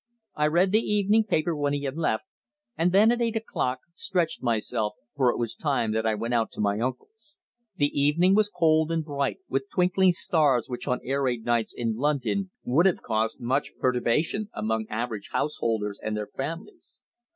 I read the evening paper when he had left, and then, at eight o'clock, stretched myself, for it was time that I went out to my uncle's. The evening was cold and bright, with twinkling stars which on air raid nights in London would have caused much perturbation among average householders and their families.